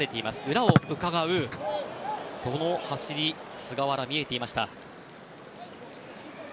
裏をうかがうその走り菅原、見えていました。